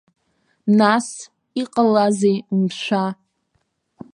Нас, иҟалазеи, мшәа?